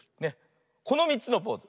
この３つのポーズ。